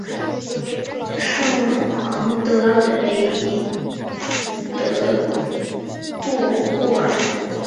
圣昂德雷德杜布尔。